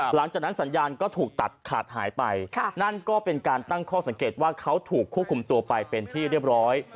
หลังจากนั้นสัญญาณก็ถูกตัดขาดหายไปนั่นก็เป็นการตั้งข้อสังเกตว่าเขาถูกควบคุมตัวไปเป็นที่เรียบร้อย